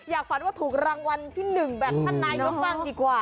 อยากฝันว่าถูกรางวัลที่หนึ่งแบบท่านนายก็บ้างดีกว่า